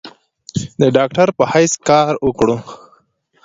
د ډاکټر پۀ حېث کار اوکړو ۔